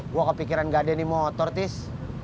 gua kepikiran nggak ada nih motor tis